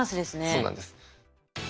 そうなんです。